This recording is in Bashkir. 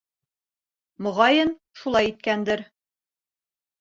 Моғайын, шулай иткәндер.